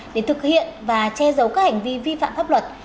để thực hiện và che giấu các hành vi vi phạm pháp luật